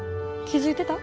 気付いてた？